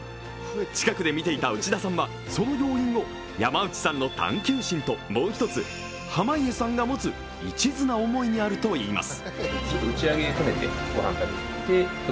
近くで見ていた内田さんはその要因を山内さんの探求心と濱家さんが持つ一途な思いにあるといいます。